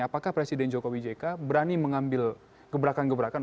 apakah presiden joko widjeka berani mengambil gebrakan gebrakan